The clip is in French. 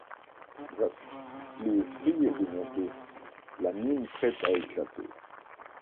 Bref, les esprits étaient montés, la mine prête à éclater.